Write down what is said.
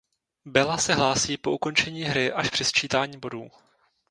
Bela se hlásí po ukončení hry až při sčítání bodů.